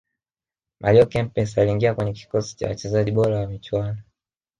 mario kempes aliingia kwenye kikosi cha wachezaji bora wa michuano